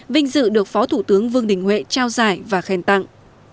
vinh dự được phó thủ tướng vương đình huệ trao giải và khen tặng